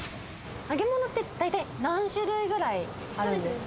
揚げ物って大体何種類ぐらいあるんですか。